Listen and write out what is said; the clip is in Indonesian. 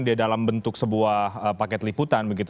dia dalam bentuk sebuah paket liputan begitu